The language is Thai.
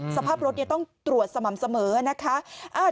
สภาพรถต้องตรวจสม่ำเสมอนะคะ